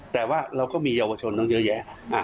แต่ว่าเราก็มีเยาวชนตั้งเยอะแยะ